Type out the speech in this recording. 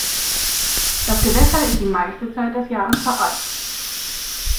Das Gewässer ist die meiste Zeit des Jahres vereist.